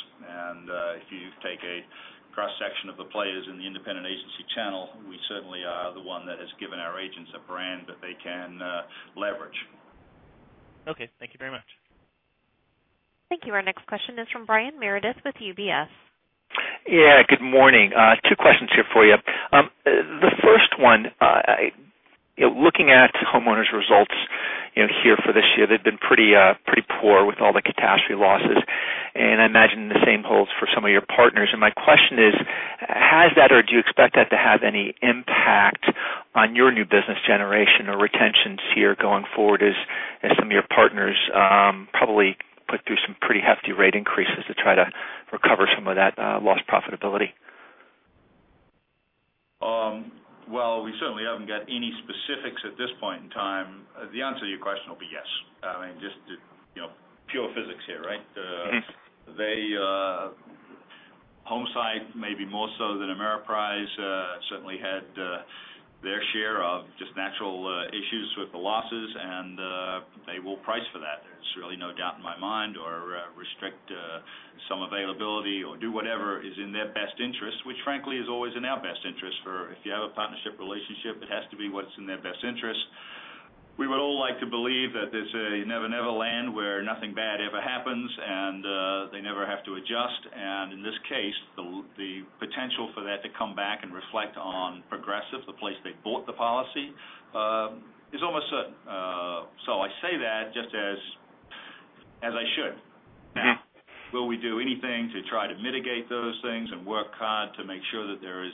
If you take a cross-section of the players in the independent agency channel, we certainly are the one that has given our agents a brand that they can leverage. Okay. Thank you very much. Thank you. Our next question is from Brian Meredith with UBS. Yeah, good morning. Two questions here for you. The first one, looking at homeowners' results here for this year, they've been pretty poor with all the catastrophe losses, and I imagine the same holds for some of your partners. My question is, has that or do you expect that to have any impact on your new business generation or retentions here going forward as some of your partners probably put through some pretty hefty rate increases to try to recover some of that lost profitability? Well, we certainly haven't got any specifics at this point in time. The answer to your question will be yes. I mean, just pure physics here, right? Homesite, maybe more so than Ameriprise, certainly had their share of just natural issues with the losses, and they will price for that. There's really no doubt in my mind, or restrict some availability or do whatever is in their best interest, which frankly, is always in our best interest. If you have a partnership relationship, it has to be what's in their best interest. We would all like to believe that there's a never-never land where nothing bad ever happens, and they never have to adjust. In this case, the potential for that to come back and reflect on Progressive, the place they bought the policy, is almost certain. I say that just as I should. Now, will we do anything to try to mitigate those things and work hard to make sure that there is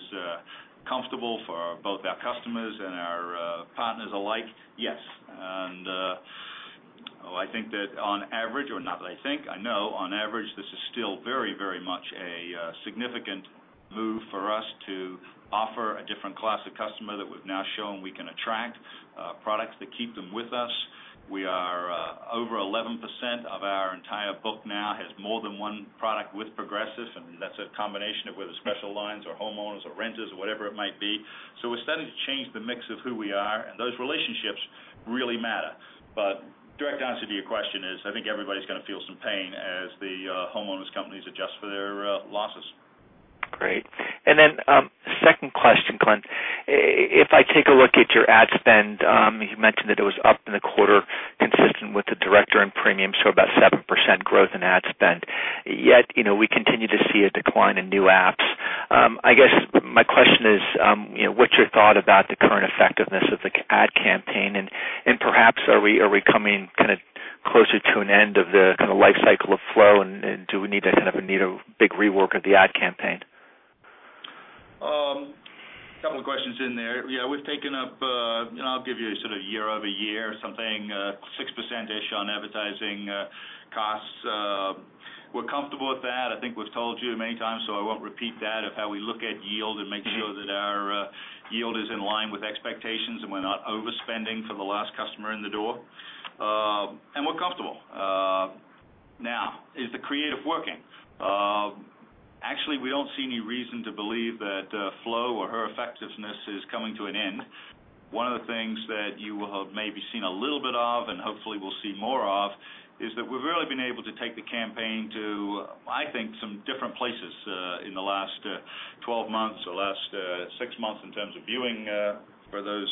comfortable for both our customers and our partners alike? Yes. I think that on average, or not that I think, I know on average, this is still very much a significant move for us to offer a different class of customer that we've now shown we can attract products that keep them with us. We are over 11% of our entire book now has more than one product with Progressive, and that's a combination of whether special lines or homeowners or renters or whatever it might be. We're starting to change the mix of who we are, and those relationships really matter. Direct answer to your question is, I think everybody's going to feel some pain as the homeowners' companies adjust for their losses. Great. Then, second question, Glenn. If I take a look at your ad spend, you mentioned that it was up in the quarter consistent with the director and premium, so about 7% growth in ad spend. Yet, we continue to see a decline in new apps. I guess my question is, what's your thought about the current effectiveness of the ad campaign, and perhaps are we coming kind of closer to an end of the kind of life cycle of Flo, and do we need to kind of need a big rework of the ad campaign? A couple of questions in there. We've taken up, I'll give you a sort of year-over-year something, 6% ish on advertising costs. We're comfortable with that. I think we've told you many times, so I won't repeat that, of how we look at yield and making sure that our yield is in line with expectations, and we're not overspending for the last customer in the door. We're comfortable. Now, is the creative working? Actually, we don't see any reason to believe that Flo or her effectiveness is coming to an end. One of the things that you will have maybe seen a little bit of, and hopefully will see more of, is that we've really been able to take the campaign to, I think, some different places in the last 12 months or last 6 months in terms of viewing for those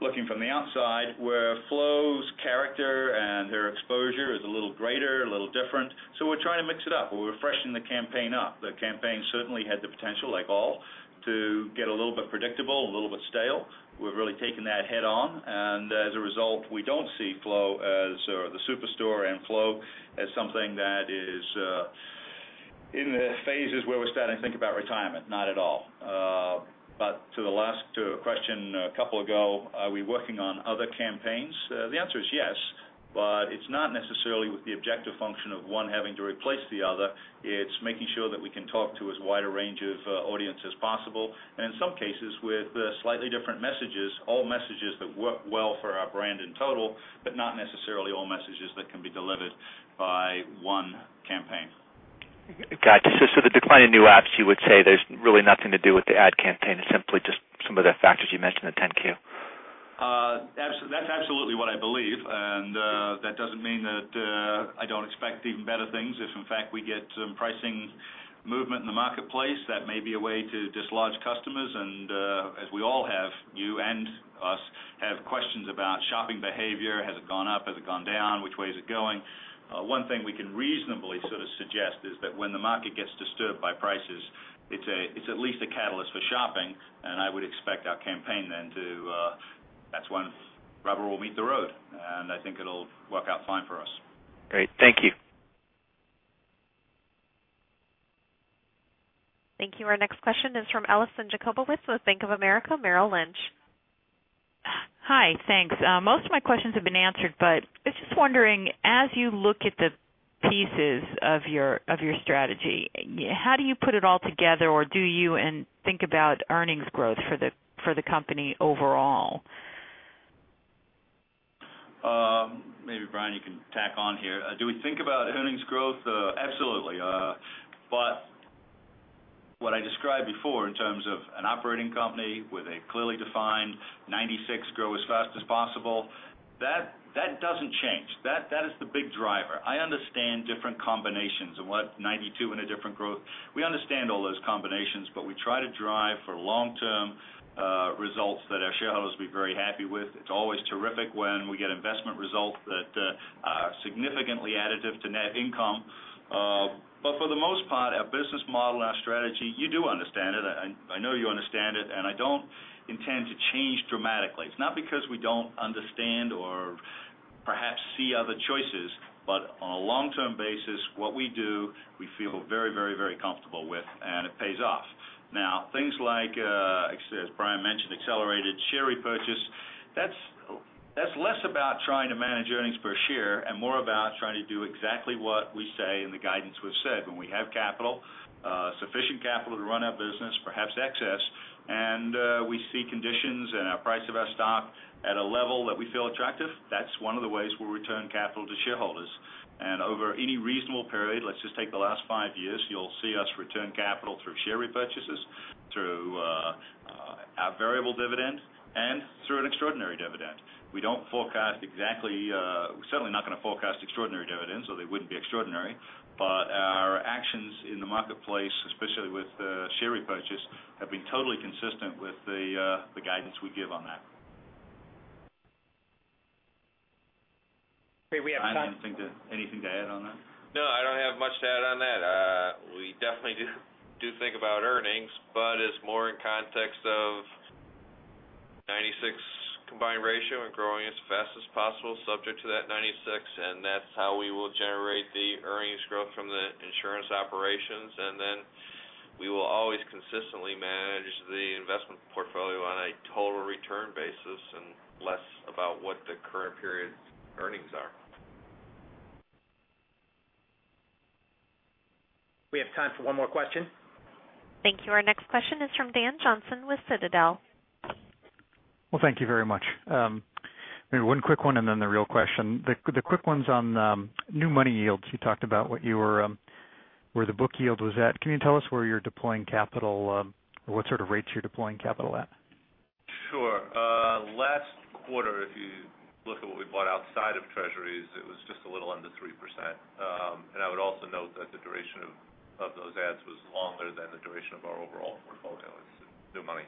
looking from the outside, where Flo's character and her exposure is a little greater, a little different. We're trying to mix it up. We're freshening the campaign up. The campaign certainly had the potential, like all, to get a little bit predictable, a little bit stale. We've really taken that head-on, and as a result, we don't see Flo as the superstore and Flo as something that is in the phases where we're starting to think about retirement. Not at all. To the last question a couple ago, are we working on other campaigns? The answer is yes, it's not necessarily with the objective function of one having to replace the other. It's making sure that we can talk to as wide a range of audience as possible, and in some cases, with slightly different messages, all messages that work well for our brand in total, not necessarily all messages that can be delivered by one campaign. Got you. The decline in new apps, you would say there's really nothing to do with the ad campaign. It's simply just some of the factors you mentioned in the 10-Q. That's absolutely what I believe. I mean that I don't expect even better things if, in fact, we get some pricing movement in the marketplace, that may be a way to dislodge customers. As we all have, you and us have questions about shopping behavior. Has it gone up? Has it gone down? Which way is it going? One thing we can reasonably sort of suggest is that when the market gets disturbed by prices, it's at least a catalyst for shopping, and I would expect our campaign. That's when rubber will meet the road, and I think it'll work out fine for us. Great. Thank you. Thank you. Our next question is from Alison Jacobowitz with Bank of America Merrill Lynch. Hi. Thanks. Most of my questions have been answered. I was just wondering, as you look at the pieces of your strategy, how do you put it all together? Do you and think about earnings growth for the company overall? Maybe Brian, you can tack on here. Do we think about earnings growth? Absolutely. What I described before in terms of an operating company with a clearly defined 96% grow as fast as possible, that doesn't change. That is the big driver. I understand different combinations and what 92% in a different growth. We understand all those combinations, but we try to drive for long-term results that our shareholders will be very happy with. It's always terrific when we get investment results that are significantly additive to net income. For the most part, our business model and our strategy, you do understand it, and I know you understand it, and I don't intend to change dramatically. It's not because we don't understand or perhaps see other choices, but on a long-term basis, what we do, we feel very comfortable with, and it pays off. Things like, as Brian mentioned, accelerated share repurchase, that's less about trying to manage earnings per share and more about trying to do exactly what we say in the guidance we've said. When we have capital, sufficient capital to run our business, perhaps excess, and we see conditions and our price of our stock at a level that we feel attractive, that's one of the ways we'll return capital to shareholders. Over any reasonable period, let's just take the last 5 years, you'll see us return capital through share repurchases, through our variable dividend, and through an extraordinary dividend. We don't forecast exactly. We're certainly not going to forecast extraordinary dividends, or they wouldn't be extraordinary. Our actions in the marketplace, especially with share repurchase, have been totally consistent with the guidance we give on that. Okay, we have time- Brian, anything to add on that? No, I don't have much to add on that. We definitely do think about earnings, but it's more in context of 96 combined ratio and growing as fast as possible subject to that 96, and that's how we will generate the earnings growth from the insurance operations. Then we will always consistently manage the investment portfolio on a total return basis and less about what the current period's earnings are. We have time for one more question. Thank you. Our next question is from Dan Johnson with Citadel. Well, thank you very much. Maybe one quick one, then the real question. The quick one's on new money yields. You talked about where the book yield was at. Can you tell us where you're deploying capital, what sort of rates you're deploying capital at? Sure. Last quarter, if you look at what we bought outside of Treasuries, it was just a little under three%. I would also note that the duration of those adds was longer than the duration of our overall portfolio. It's new money.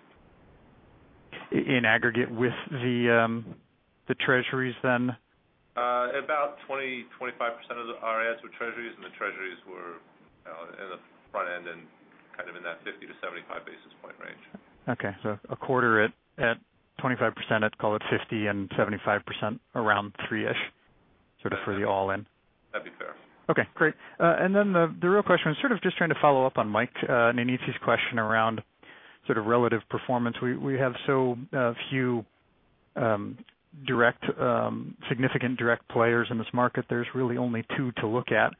In aggregate with the Treasuries? About 20%-25% of the RAS were Treasuries, the Treasuries were in the front end and kind of in that 50-75 basis point range. Okay. A quarter at 25%, let's call it 50% and 75% around three-ish, sort of for the all-in. That'd be fair. Okay, great. The real question was sort of just trying to follow up on Mike Nannizzi's question around sort of relative performance. We have so few significant direct players in this market. There's really only two to look at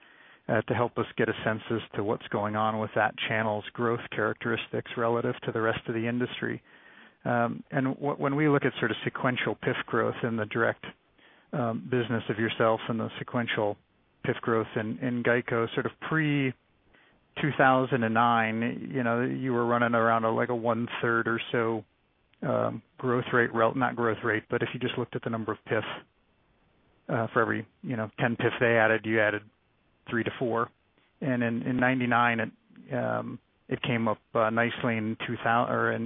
to help us get a sense as to what's going on with that channel's growth characteristics relative to the rest of the industry. When we look at sort of sequential PIF growth in the direct business of yourselves and the sequential PIF growth in GEICO sort of pre-2009, you were running around a one-third or so growth rate. Not growth rate, but if you just looked at the number of PIFs for every 10 PIFs they added, you added 3 to 4. In 1999, it came up nicely. I'm sorry,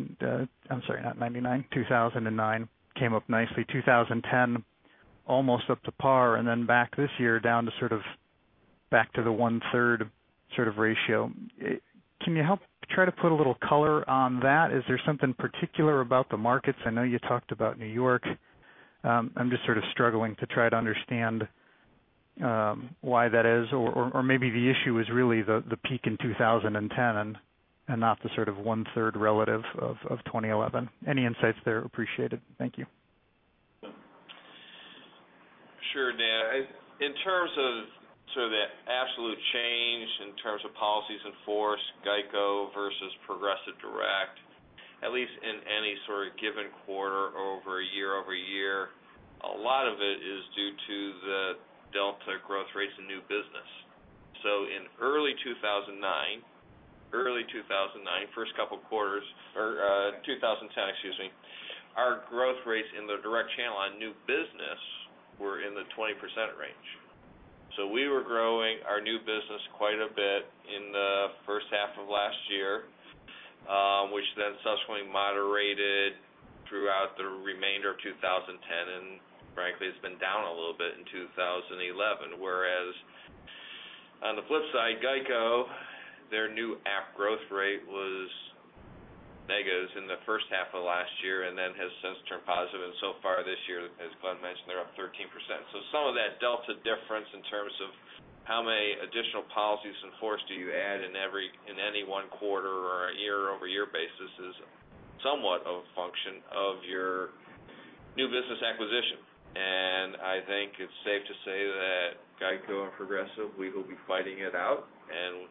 not 1999, 2009, came up nicely. 2010, almost up to par, back this year down to sort of back to the one-third sort of ratio. Can you help try to put a little color on that? Is there something particular about the markets? I know you talked about New York. I'm just sort of struggling to try to understand why that is, or maybe the issue is really the peak in 2010 and not the sort of one-third relative of 2011. Any insights there are appreciated. Thank you. Sure, Dan. In terms of sort of the absolute change in terms of policies in force, GEICO versus Progressive Direct, at least in any sort of given quarter over a year-over-year, a lot of it is due to the delta growth rates in new business. Early 2009, first couple quarters. Or 2010, excuse me. Our growth rates in the direct channel on new business were in the 20% range. We were growing our new business quite a bit in the first half of last year, which subsequently moderated throughout the remainder of 2010. Frankly, it's been down a little bit in 2011. Whereas on the flip side, GEICO, their new app growth rate was negatives in the first half of last year and has since turned positive. So far, this year, as Glenn mentioned, they're up 13%. Some of that delta difference in terms of how many additional policies in force do you add in any one quarter or a year-over-year basis is somewhat a function of your new business acquisition. I think it's safe to say that GEICO and Progressive, we will be fighting it out.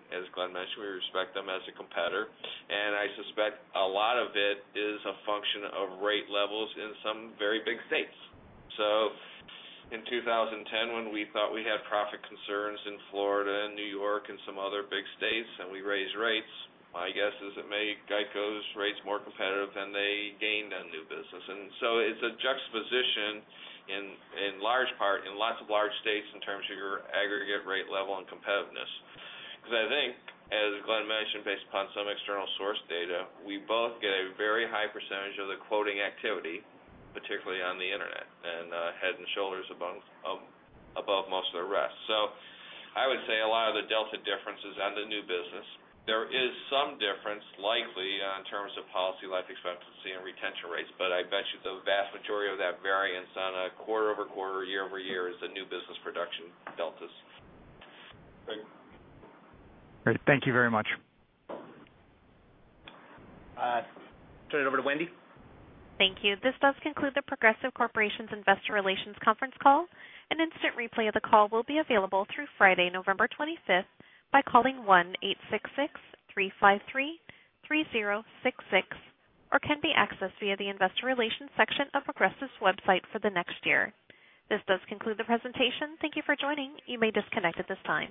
As Glenn mentioned, we respect them as a competitor. I suspect a lot of it is a function of rate levels in some very big states. In 2010, when we thought we had profit concerns in Florida and New York and some other big states, we raised rates, my guess is it made GEICO's rates more competitive, they gained on new business. It's a juxtaposition in large part in lots of large states in terms of your aggregate rate level and competitiveness. I think, as Glenn mentioned, based upon some external source data, we both get a very high percentage of the quoting activity, particularly on the internet, head and shoulders above most of the rest. I would say a lot of the delta difference is on the new business. There is some difference likely in terms of policy life expectancy and retention rates, but I bet you the vast majority of that variance on a quarter-over-quarter, year-over-year is the new business production deltas. Great. Great. Thank you very much. I turn it over to Wendy. Thank you. This does conclude The Progressive Corporation's Investor Relations conference call. An instant replay of the call will be available through Friday, November 25th by calling 1-866-353-3066 or can be accessed via the investor relations section of Progressive's website for the next year. This does conclude the presentation. Thank you for joining. You may disconnect at this time.